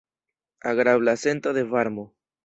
Agrabla sento de varmo.